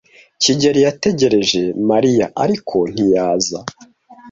kigeli yategereje Mariya, ariko ntiyaza.